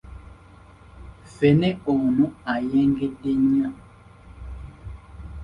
Ffene ono ayengedde nnyo.